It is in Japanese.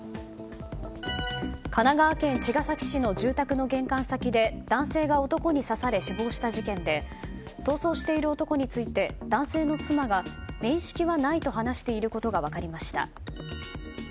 神奈川県茅ヶ崎市の住宅の玄関先で男性が、男に刺され死亡した事件で逃走している男について男性の妻が面識はないと話していることが分かりました。